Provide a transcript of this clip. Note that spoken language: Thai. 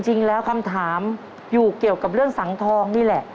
จริงแล้วคำถามอยู่เกี่ยวกับเรื่องสังทองนี่แหละ